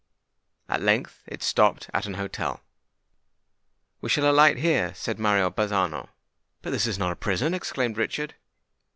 At length it stopped at an hotel. "We shall alight here," said Mario Bazzano. "But this is not a prison!" exclaimed Richard.